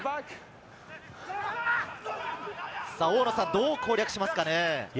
どう攻略しますかね？